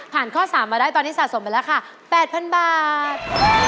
ผ่านข้อ๓มาได้ตอนนี้สะสมเป็นราคา๘๐๐๐บาท